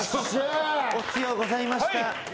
お強うございました。